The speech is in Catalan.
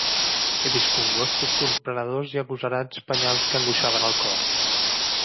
He vist congostos corprenedors i agosarats penyals que angoixaven el cor.